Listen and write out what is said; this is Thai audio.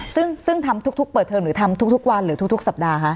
ซึ่งทำทุกเปิดเทอมหรือทำทุกวันหรือทุกสัปดาห์คะ